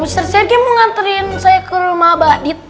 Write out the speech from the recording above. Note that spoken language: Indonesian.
ustad sergey mau nganterin saya ke rumah abah adit